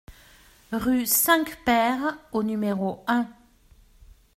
Rue Cinq-Pères au numéro un